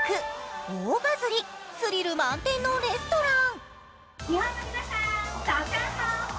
大バズりスリル満点のレストラン。